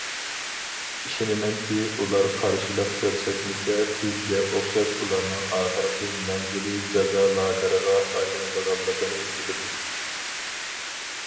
ئىشىنىمەنكى ، ئۇلار قارشىلىق كۆرسەتمىسە ، بىزگە ئوخشاش ئۇلارنىڭ ئاخىرقى مەنزىلى جازا لاگېرىغا ئايلىنىدىغانلىقىنى بىلىدۇ.